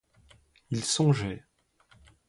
Il songeait.